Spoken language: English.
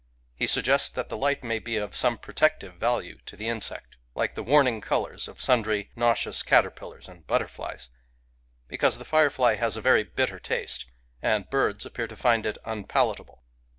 He suggests that the light may be of some protec tive value to the insect, — like the "warning colours *' of sundry nauseous caterpillars and butter flies, — because the firefly has a very bitter taste, and birds appear to find it unpalatable.